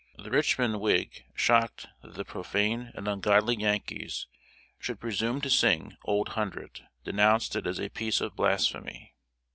The Richmond Whig, shocked that the profane and ungodly Yankees should presume to sing "Old Hundred," denounced it as a piece of blasphemy.